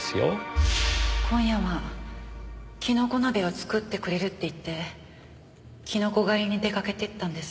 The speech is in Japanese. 今夜はキノコ鍋を作ってくれるって言ってキノコ狩りに出かけていったんです。